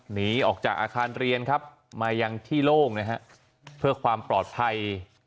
หนีออกจากอาคารเรียนครับมายังที่โล่งนะฮะเพื่อความปลอดภัย